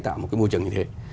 tạo một cái môi trường như thế